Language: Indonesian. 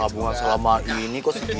hubungan selama ini kok